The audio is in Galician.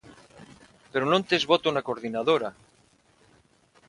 Pero non tes voto na Coordinadora.